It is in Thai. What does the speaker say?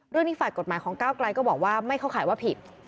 เรื่องนี้ฝ่ายกฎหมายของก้าวไกลก็บอกว่าไม่เข้าข่ายว่าผิด